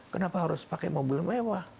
kenapa harus pakai mobil mewah